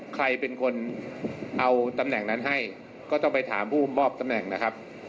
ใครเป็นคนเอาตำแหน่งนั้นให้ก็ต้องไปถามผู้มอบตำแหน่งนะครับ